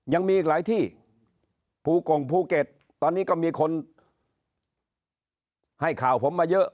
ยังมีอีกหลายที่ภูกงภูเก็ตตอนนี้ก็มีคนให้ข่าวผมมาเยอะ